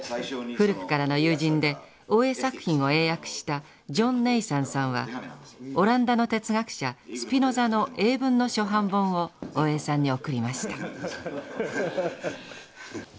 古くからの友人で大江作品を英訳したジョン・ネイサンさんはオランダの哲学者スピノザの英文の初版本を大江さんに贈りました。